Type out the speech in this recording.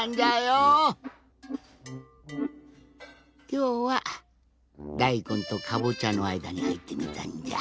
きょうはだいこんとかぼちゃのあいだにはいってみたんじゃ。